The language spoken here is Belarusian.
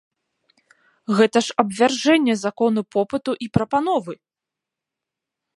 Гэта ж абвяржэнне закону попыту і прапановы!